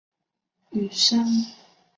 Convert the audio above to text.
雨山区是中国安徽省马鞍山市下辖的区。